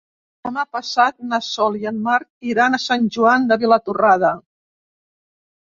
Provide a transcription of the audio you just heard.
Demà passat na Sol i en Marc iran a Sant Joan de Vilatorrada.